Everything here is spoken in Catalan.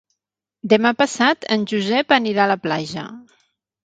Demà passat en Josep anirà a la platja.